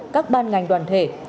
các ban ngành đoàn thể